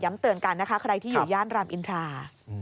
ย้ำเตือนกันใครที่อยู่ย่านรามอินทรา